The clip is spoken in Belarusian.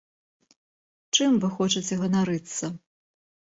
Чым вы хочаце ганарыцца?